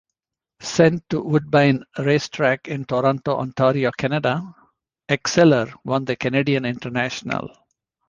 Sent to Woodbine Racetrack in Toronto, Ontario, Canada, Exceller won the Canadian International.